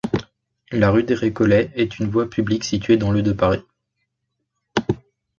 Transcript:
La rue des Récollets est une voie publique située dans le de Paris.